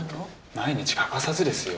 毎日欠かさずですよ。